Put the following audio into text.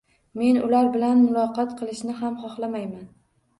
Men ular bilan muloqot qilishni ham xohlamayman